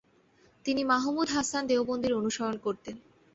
তিনি মাহমুদ হাসান দেওবন্দির অনুসরণ করতেন।